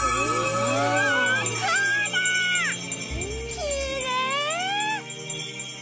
きれい！